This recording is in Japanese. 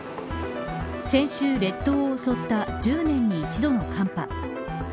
先週、列島を襲った１０年に一度の寒波。